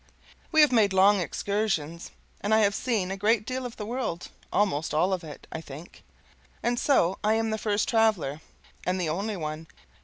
We have made long excursions, and I have seen a great deal of the world; almost all of it, I think; and so I am the first traveler, and the only one.